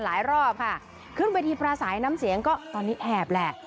หลายรอบค่ะเครื่องบริธีปราสาทน้ำเสียงตอนนี้แอบแล้ว